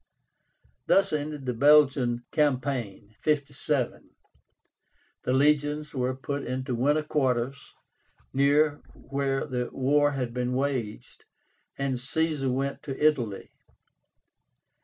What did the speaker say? Thus ended the Belgian campaign (57). The legions were put into winter quarters near where the war had been waged, and Caesar went to Italy.